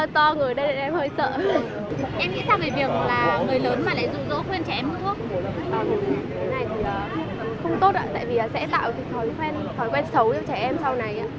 thì không tốt ạ tại vì sẽ tạo thói quen xấu cho trẻ em sau này ạ